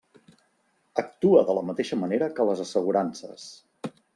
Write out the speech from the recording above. Actua de la mateixa manera que les assegurances.